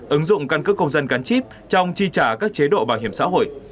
ứng dụng căn cước công dân gắn chip trong chi trả các chế độ bảo hiểm xã hội